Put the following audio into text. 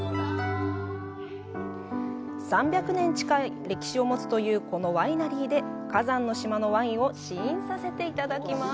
３００年近い歴史を持つというこのワイナリーで火山の島のワインを試飲させていただきます。